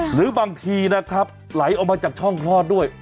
หรือบางทีนะครับไหลออกมาจากช่องคลอดด้วย